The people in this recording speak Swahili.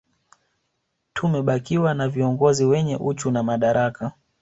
Tumebakiwa na viongozi wenye uchu na madaraka